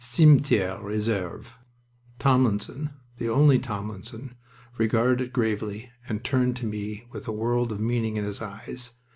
Cimetiere reserve Tomlinson, the only Tomlinson, regarded it gravely and turned to me with a world of meaning in his eyes.